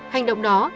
hành động đó